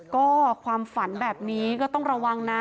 ก็ความฝันแบบนี้ก็ต้องระวังนะ